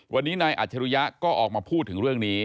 วันนี้นายอัจฉริยะก็ออกมาพูดถึงเรื่องนี้